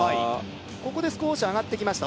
ここで少し上がってきました